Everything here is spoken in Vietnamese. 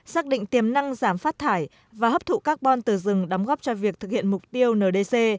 xác định tiềm năng giảm phát thải và hấp thụ carbon từ rừng đóng góp cho việc thực hiện mục tiêu ndc